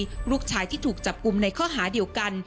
ในเครือขายที่ถูกจับกลุ่มในข้อหาเดียวกัน